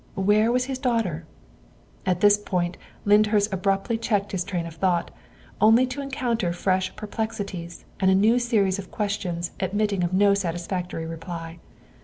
Where was his daughter ? At this point Lyndhurst abruptly checked his train of thought, only to encounter fresh perplexities and a new series of questions admitting of no satisfactory reply.